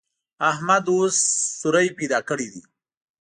احمد اوس سوری پیدا کړی دی.